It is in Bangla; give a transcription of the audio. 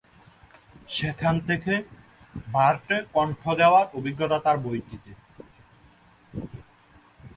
সেখান থেকে, বার্টে কণ্ঠ দেওয়ার অভিজ্ঞতা তার বইটিতে।